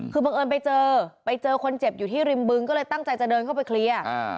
คือบังเอิญไปเจอไปเจอคนเจ็บอยู่ที่ริมบึงก็เลยตั้งใจจะเดินเข้าไปเคลียร์